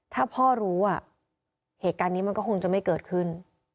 ถ้าพ่อรู้เหตุการณ์นี้มันก็คงจะไม่เกิดขึ้น